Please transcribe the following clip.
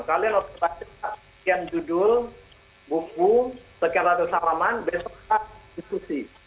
kalian harus belajar sekian judul buku sekian latar salaman besok kelas diskusi